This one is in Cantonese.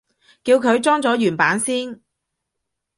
叫佢裝咗原版先